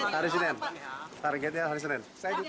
harusnya harga tiketnya hari senin